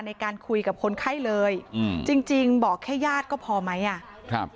ในการคุยกับคนไข้เลยจริงบอกแค่ญาติก็พอไหม